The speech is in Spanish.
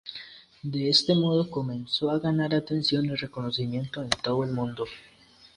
De este modo comenzó a ganar atención y reconocimiento en todo el mundo.